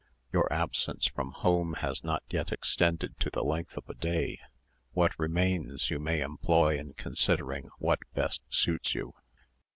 Your absence from home has not yet extended to the length of a day; what remains you may employ in considering what best suits you.